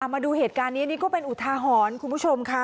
มาดูเหตุการณ์นี้นี่ก็เป็นอุทาหรณ์คุณผู้ชมค่ะ